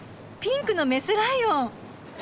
ピンクのメスライオン。